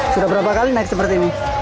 sudah berapa kali naik seperti ini